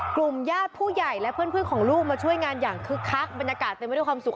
ญาติผู้ใหญ่และเพื่อนของลูกมาช่วยงานอย่างคึกคักบรรยากาศเต็มไปด้วยความสุข